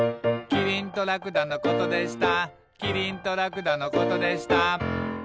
「きりんとらくだのことでした」